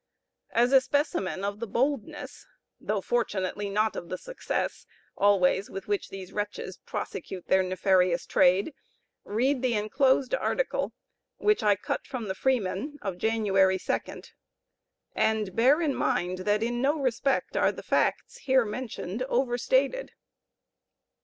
As a specimen of the boldness, though fortunately, not of the success always with which these wretches prosecute their nefarious trade, read the enclosed article, which I cut from the Freeman, of January 2d, and bear in mind that in no respect are the facts here mentioned over stated.